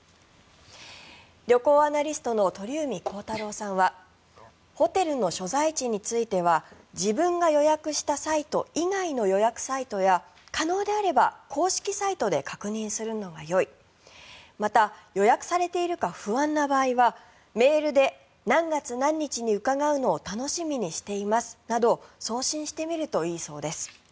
旅行アナリストの鳥海高太朗さんはホテルの所在地については自分が予約したサイト以外の予約サイトや可能であれば公式サイトで確認するのがよいまた、予約されているか不安な場合はメールで、何月何日に伺うのを楽しみにしていますなど送信してみるといいそうです。